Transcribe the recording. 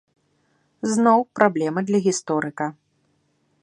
Зноў праблема для гісторыка.